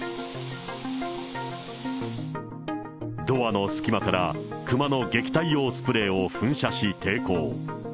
ドアの隙間から熊の撃退用スプレーを噴射し、抵抗。